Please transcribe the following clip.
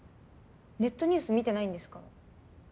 ネットニュース見てないんですか？